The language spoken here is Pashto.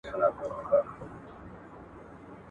ستا دي غاړه وي په ټوله قام کي لکه!